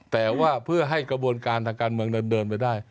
แต่ว่าเพื่อให้กระบวนการทางการเมืองเดินไปได้